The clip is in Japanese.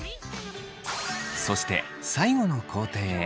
そして最後の工程へ。